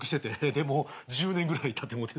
でもう１０年ぐらいたってもうて。